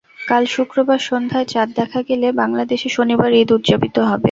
কাল শুক্রবার সন্ধ্যায় চাঁদ দেখা গেলে বাংলাদেশে শনিবার ঈদ উদযাপিত হবে।